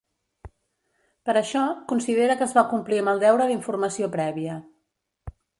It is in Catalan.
Per això, considera que es va complir amb el deure d’informació prèvia.